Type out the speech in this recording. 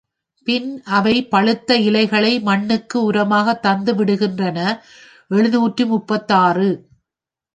பின் அவை பழுத்த இலை களை மண்ணுக்கு உரமாகத் தந்துவிடுகின்றன எழுநூற்று முப்பத்தாறு.